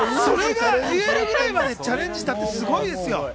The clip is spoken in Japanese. それが言えるぐらいまでチャレンジしたってすごいですよ。